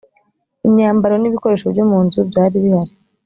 imyambaro n ibikoresho byo mu nzu byari bihari